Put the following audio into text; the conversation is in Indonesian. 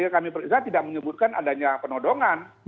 kami periksa tidak menyebutkan adanya penodongan